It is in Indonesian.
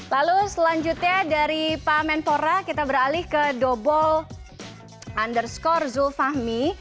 lalu selanjutnya dari pak menpora kita beralih ke dobol underscore zulfahmi